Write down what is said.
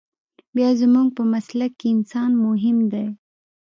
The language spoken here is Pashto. بيا زموږ په مسلک کښې انسان مهم ديه.